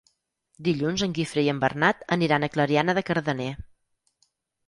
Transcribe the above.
Dilluns en Guifré i en Bernat aniran a Clariana de Cardener.